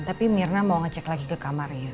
tapi mirna mau ngecek lagi ke kamar ya